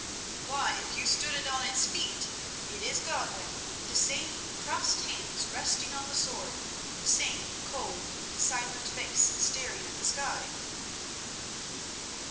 Why, if you stood it on its feet, it is Godwin, the same crossed hands resting on the sword, the same cold, silent face staring at the sky."